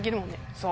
そう。